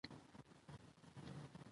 پښتانه به د غرب پر لښکر بری موندلی وي.